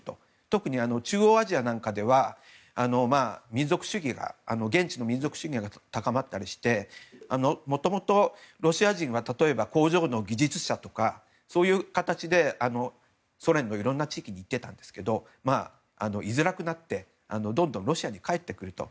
特に中央アジアなんかでは現地の民族主義が高まったりしてもともとロシア人は例えば工場の技術者とかそういう形でソ連のいろんな地域に行っていたんですがいづらくなってどんどんロシアに帰ってくると。